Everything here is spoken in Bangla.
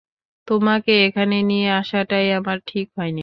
তোমাকে এখানে নিয়ে আসাটাই আমার ঠিক হয়নি!